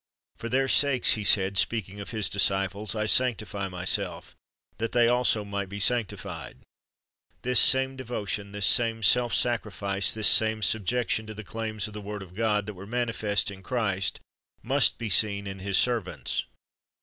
"For their sakes," He said, speaking of His disciples, "I sanctify Myself, that they also might be sanctified."^ The same devotion, the same self sacrifice, the same subjection to the claims of the word of God, that were manifest in Christ, must be seen in His servants.